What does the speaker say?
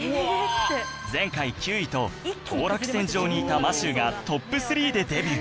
前回９位と当落線上にいたマシューがトップ３でデビュー